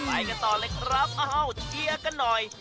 ไปกันต่อเลยครับเอ้าเชียร์กันหน่อย